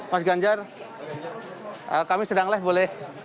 mas ganjar kami sedang leh boleh